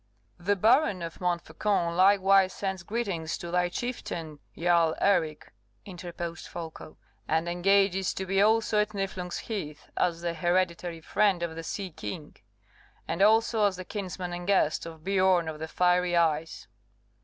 "The Baron of Montfaucon likewise sends greeting to thy chieftain, Jarl Eric," interposed Folko; "and engages to be also at Niflung's Heath, as the hereditary friend of the sea king, and also as the kinsman and guest of Biorn of the Fiery Eyes."